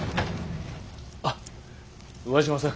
あっ上嶋さん。